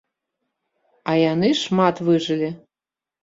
А яны шмат выжылі.